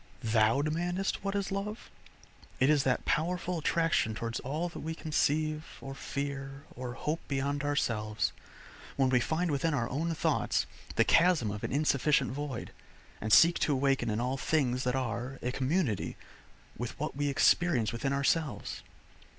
Thou demandest what is love? It is that powerful attraction towards all that we conceive, or fear, or hope beyond ourselves, when we find within our own thoughts the chasm of an insufficient void, and seek to awaken in all things that are, a community with what we experience within ourselves.